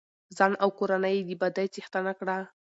ځان او کورنۍ يې د بدۍ څښتنه کړه.